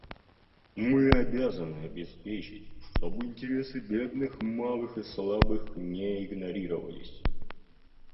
Мы обязаны обеспечить, чтобы интересы бедных, малых и слабых не игнорировались.